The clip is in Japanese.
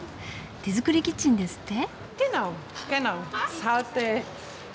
手作りキッチンですって？